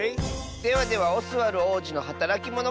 ではでは「オスワルおうじのはたらきモノ」